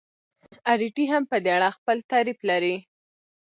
اریټي هم په دې اړه خپل تعریف لري.